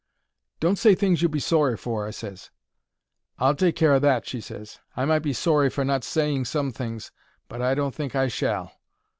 "Don't say things you'll be sorry for," I ses. "I'll take care o' that," she ses. "I might be sorry for not saying some things, but I don't think I shall."